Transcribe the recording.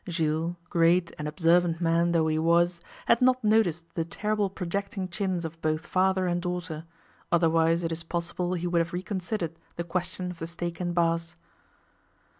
Jules, great and observant man though he was, had not noticed the terrible projecting chins of both father and daughter, otherwise it is possible he would have reconsidered the question of the steak and Bass.